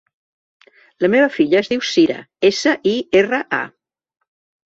La meva filla es diu Sira: essa, i, erra, a.